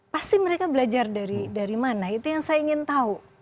pasti mereka belajar dari mana itu yang saya ingin tahu